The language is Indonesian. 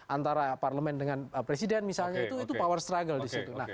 antara parlemen dengan presiden misalnya itu power struggle disitu